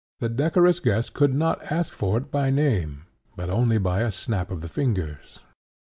17), the decorous guest could not ask for it by name, but only by a snap of the fingers (Dufour, op.